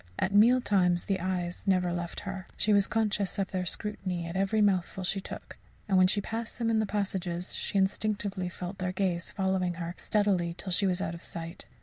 At meal times the eyes never left her; she was conscious of their scrutiny at every mouthful she took; and when she passed them in the passages, she instinctively felt their gaze following her steadily till she was out of sight.